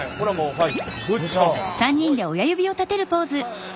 はい。